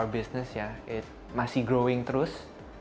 bisnis kita masih berkembang terus